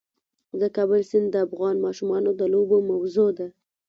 د کابل سیند د افغان ماشومانو د لوبو موضوع ده.